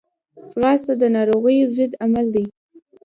ځغاسته د ناروغیو ضد عمل دی